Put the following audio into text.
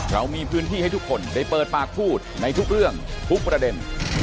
เรามีพื้นที่ให้ทุกคนได้เปิดปากพูดในทุกเรื่องทุกประเด็น